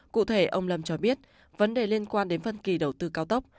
cụ thể ông lâm cho biết vấn đề liên quan đến phân kỳ đầu tư cao tốc